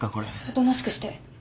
おとなしくして。